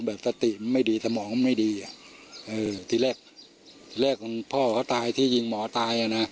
แบบสติมไม่ดีสมองไม่ดีตีแรกพ่อเขาตายที่ยิงหมอตาย